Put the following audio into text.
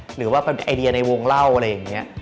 หรือว่าเป็นไอเดียในวงเล่าอะไรอย่างนี้